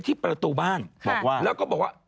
ที่ประตูบ้านแล้วก็บอกว่า